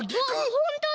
ほんとだ！